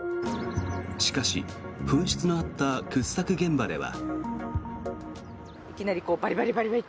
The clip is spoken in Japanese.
しかし、噴出のあった掘削現場では。